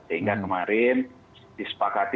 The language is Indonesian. sehingga kemarin disepakati